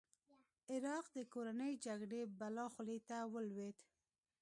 عراق د کورنۍ جګړې بلا خولې ته ولوېد.